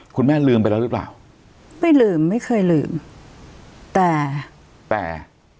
คุณแม่ลืมไปแล้วหรือเปล่าไม่ลืมไม่เคยลืมแต่แต่